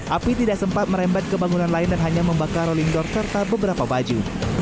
api tidak sempat merembat ke bangunan lain dan hanya membakar rolling door serta beberapa baju